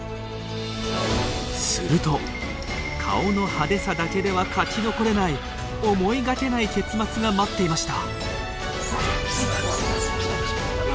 すると顔の派手さだけでは勝ち残れない思いがけない結末が待っていました。